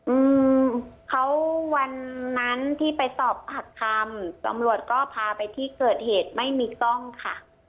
อืมเขาวันนั้นที่ไปสอบผักคำตำรวจก็พาไปที่เกิดเหตุไม่มีกล้องค่ะ